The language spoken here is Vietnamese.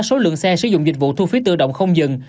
số lượng xe sử dụng dịch vụ thu phí tự động không dừng